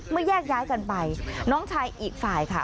แยกย้ายกันไปน้องชายอีกฝ่ายค่ะ